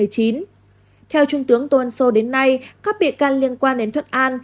theo trung tướng tô ân sô đến nay các bị can liên quan đến thuận an